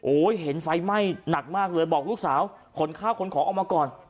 เห็นไฟไหม้หนักมากเลยบอกลูกสาวขนข้าวขนของออกมาก่อน